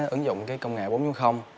ứng dụng công nghệ bốn